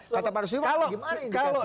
kata pak rasulullah bagaimana indikasi itu